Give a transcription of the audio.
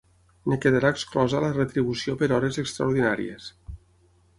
En quedarà exclosa la retribució per hores extraordinàries.